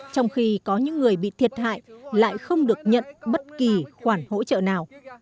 trong khi có những người bị thiệt hại lại không được nhận bất kỳ khoản hỗ trợ nào